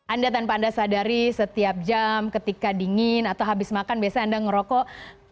anda tanpa anda sadari setiap jam ketika dingin atau habis makan biasanya anda ngerokok